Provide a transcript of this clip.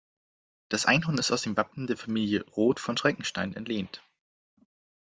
Das Einhorn ist aus dem Wappen der Familie Roth von Schreckenstein entlehnt.